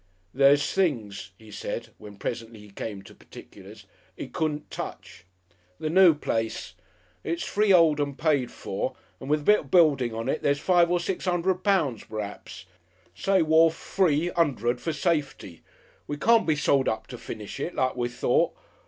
"There's things," he said, when presently he came to particulars, "'e couldn't touch. The noo place! It's freehold and paid for, and with the bit of building on it, there's five or six 'undred pound p'raps say worf free 'undred, for safety. We can't be sold up to finish it, like we thought.